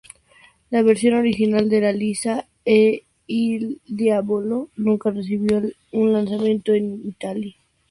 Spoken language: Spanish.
La versión original de "Lisa e il diavolo" nunca recibió un lanzamiento en Italia.